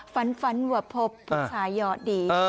ฝันวาพบฝันว่าผู้ชายหยอดดี